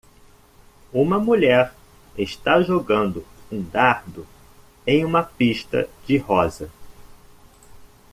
Uma mulher está jogando um dardo em uma pista-de-rosa.